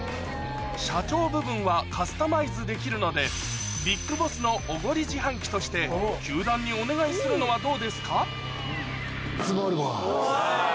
社長部分はカスタマイズできるので「ＢＩＧＢＯＳＳのおごり自販機」として球団にお願いするのはどうですか？